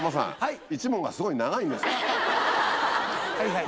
はいはい。